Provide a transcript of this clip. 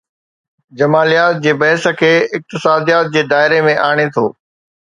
جماليات جي بحث کي اقتصاديات جي دائري ۾ آڻي ٿو.